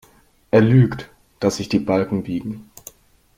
Er lügt, dass sich die Balken biegen.